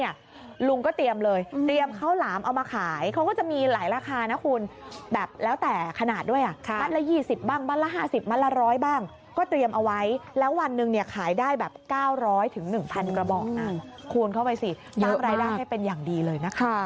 คูณเข้าไว้ซิตั้งรายรักษ์ให้เป็นอย่างดีเลย